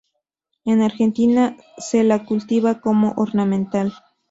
En Argentina se la cultiva como ornamental.